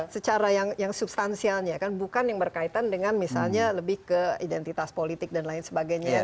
secara yang substansialnya kan bukan yang berkaitan dengan misalnya lebih ke identitas politik dan lain sebagainya